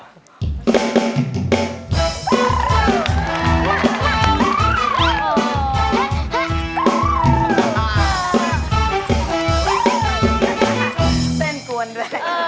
ปุ้งเป้นกวนด้วย